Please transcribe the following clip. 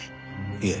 いえ。